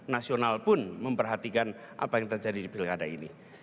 nasional pun memperhatikan apa yang terjadi di pilkada ini